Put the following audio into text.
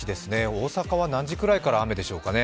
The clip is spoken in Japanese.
大阪は何時くらいから雨でしょうかね。